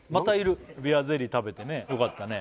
びわゼリー食べてねよかったね